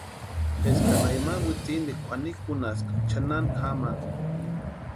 Éskanha ima witsintikwa kwʼanikunhaska chʼanani jamani.